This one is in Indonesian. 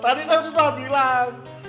tadi saya sudah bilang